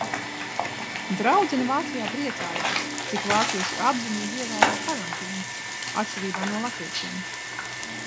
Draudzene Vācijā priecājas, cik vācieši apzinīgi ievēro karantīnu, atšķirībā no latviešiem.